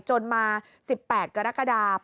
จนมา๑๘กรกฎา